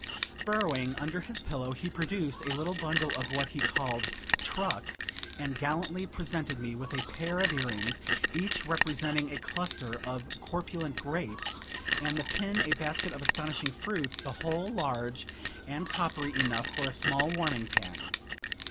Burrowing under his pillow, he produced a little bundle of what he called "truck," and gallantly presented me with a pair of earrings, each representing a cluster of corpulent grapes, and the pin a basket of astonishing fruit, the whole large and coppery enough for a small warming pan.